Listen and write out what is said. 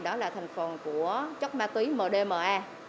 đó là thành phần của chất ma túy mdma